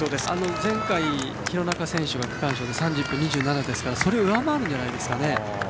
前回、廣中選手が区間賞で３１分２７ですからそれを上回るんじゃないですかね。